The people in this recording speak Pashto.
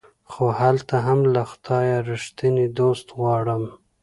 خو هلته هم له خدايه ريښتيني دوست غواړم